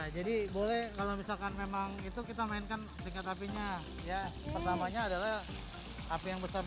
jadi boleh kalau misalkan memang itu kita mainkan tingkat apinya ya pertamanya adalah api yang besar